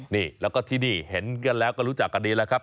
นี่แล้วก็ที่นี่เห็นกันแล้วก็รู้จักกันดีแล้วครับ